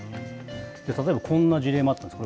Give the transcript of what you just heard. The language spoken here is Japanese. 例えば、こんな事例もあったんです。